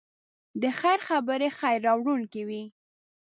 د خیر خبرې خیر راوړونکی وي.